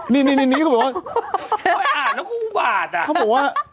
นี่เขาบอกว่า